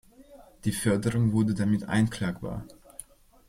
Die Förderung wurde damit einklagbar.